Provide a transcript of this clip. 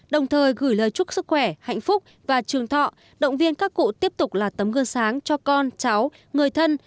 đồng thời gửi lời chúc sức khỏe hạnh phúc và trường thọ động viên các cụ tiếp tục là tấm gương sáng cho con cháu người thân